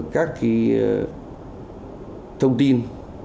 các thông tin